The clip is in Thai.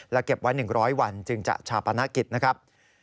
เก็บไว้๑๐๐วันจึงจะชาปนกิจนะครับ